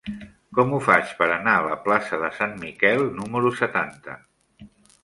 Com ho faig per anar a la plaça de Sant Miquel número setanta?